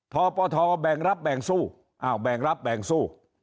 ปปทแบ่งรับแบ่งสู้อ้าวแบ่งรับแบ่งสู้